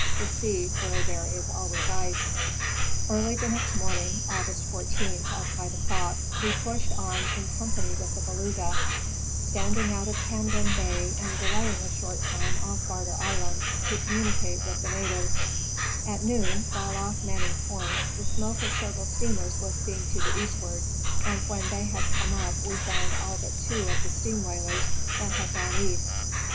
the sea where there is always ice. Arctic Cruise of the U. S. 8. Thetis in 1889. 187 Early the next morning, August 14th, at 5 o'clock, we pushed on in company with the Beluga, standing out of Camden bay and delaying a short time off Barter island, to communicate with the natives. At noon, while off Manning point, the smoke of several steamers was seen to the eastward, and when they had come up we found all but two of the steam whalers that had gone east.